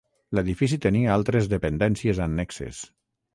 L'edifici tenia altres dependències annexes.